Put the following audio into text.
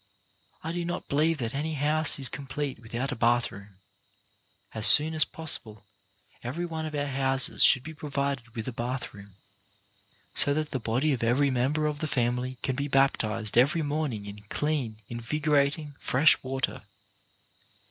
I do not believe that any house is complete without a bathroom. As soon as possible every one of our houses should be provided with a bathroom, so that the body of every member of the family can be baptized every morning in clean, invigorating, fresh water.